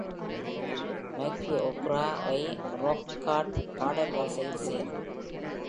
Maki ohguro-வை rock hard பாடல் வரிசையில் சேர்